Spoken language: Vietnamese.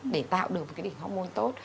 để tạo được cái đỉnh hormôn tốt